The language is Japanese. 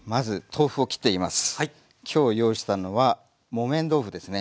今日用意したのは木綿豆腐ですね。